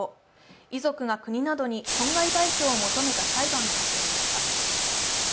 遺族が国などに損害賠償を求めた裁判が始まりました。